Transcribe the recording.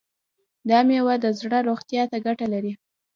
دا میوه د زړه روغتیا ته ګټه لري.